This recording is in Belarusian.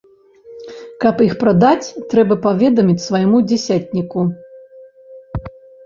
Каб іх прадаць, трэба паведаміць свайму дзясятніку.